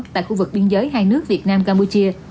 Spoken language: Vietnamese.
tại khu vực biên giới hai nước việt nam campuchia